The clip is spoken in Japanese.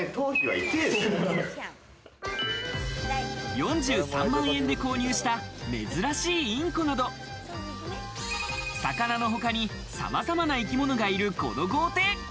４３万円で購入した珍しいインコなど魚のほかにさまざまな生き物がいる、この豪邸。